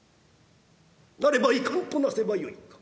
「なればいかんとなせばよいか」。